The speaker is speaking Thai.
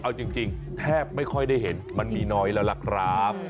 เอาจริงแทบไม่ค่อยได้เห็นมันมีน้อยแล้วล่ะครับ